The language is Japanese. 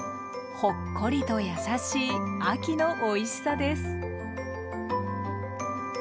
ほっこりとやさしい秋のおいしさです。